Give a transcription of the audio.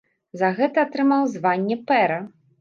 За гэта атрымаў званне пэра.